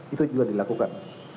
itu juga dilakukan